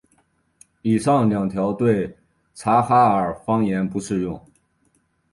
以上两条对察哈尔方言不适用。